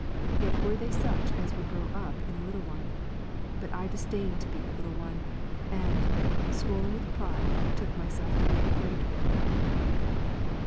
Yet were they such as would grow up in a little one. But I disdained to be a little one ; and, swoln with pride, took myself to be a I great one.